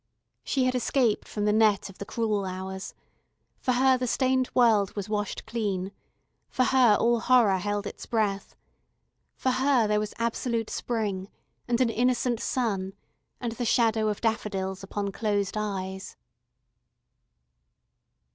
She had escaped from the net of the cruel hours; for her the stained world was washed clean; for her all horror held its breath; for her there was absolute spring, and an innocent sun, and the shadows of daffodils upon closed eyes....